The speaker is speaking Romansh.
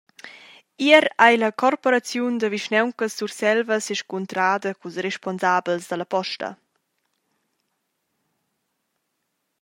Ier ei la Corporaziun da vischnauncas Surselva sescuntrada culs responsabels dalla Posta.